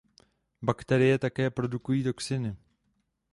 Bakterie také produkují toxiny.